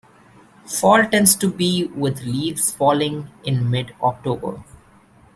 Fall tends to be with leaves falling in Mid-October.